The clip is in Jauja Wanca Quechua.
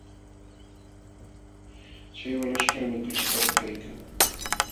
Chay walaśhkaqmi kuchipata kaykan.